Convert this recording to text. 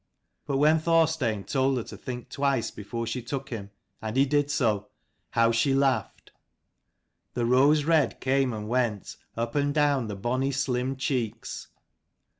But when Thorstein told her to think twice before she took him, and he did so, how she laughed ! The rose red came and went, up and down the bonny slim cheeks.